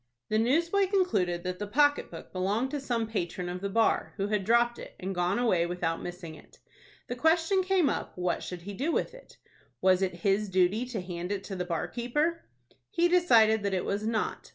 The newsboy concluded that the pocket book belonged to some patron of the bar, who had dropped it, and gone away without missing it. The question came up, what should he do with it? Was it his duty to hand it to the bar keeper? He decided that it was not.